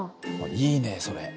いいねそれ。